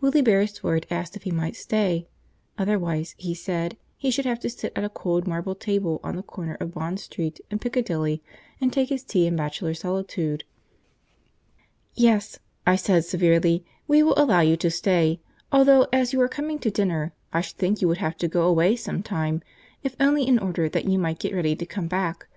Willie Beresford asked if he might stay; otherwise, he said, he should have to sit at a cold marble table on the corner of Bond Street and Piccadilly, and take his tea in bachelor solitude. "Yes," I said severely, "we will allow you to stay; though, as you are coming to dinner, I should think you would have to go away some time, if only in order that you might get ready to come back.